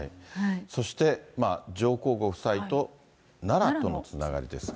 そして、上皇ご夫妻と奈良とのつながりですが。